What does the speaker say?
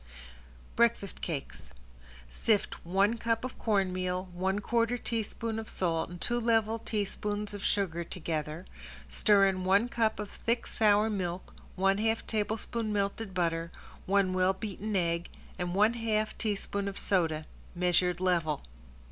~BREAKFAST CAKES~ Sift one cup of corn meal, one quarter teaspoon of salt and two level teaspoons of sugar together, stir in one cup of thick sour milk, one half tablespoonful melted butter, one well beaten egg and one half teaspoon of soda, measured level.